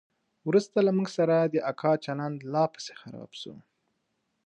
وروسته له موږ سره د اکا چلند لا پسې خراب سو.